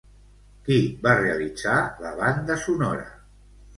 Qui va realitzar la banda sonora?